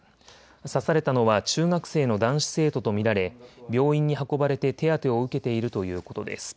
刺されたのは中学生の男子生徒と見られ病院に運ばれて手当てを受けているということです。